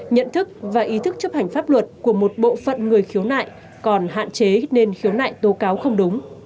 nhận thức và ý thức chấp hành pháp luật của một bộ phận người khiếu nại còn hạn chế nên khiếu nại tố cáo không đúng